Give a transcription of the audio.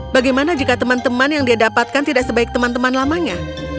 bagaimana jika teman teman yang dia dapatkan tidak sebaik teman teman lamanya